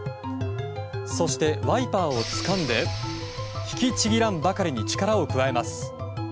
そしてワイパーをつかんで引きちぎらんばかりに力を加えます。